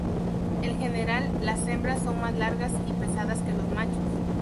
En general, las hembras son más largas y pesadas que los machos.